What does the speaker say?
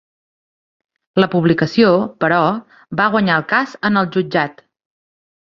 La publicació, però, va guanyar el cas en el jutjat.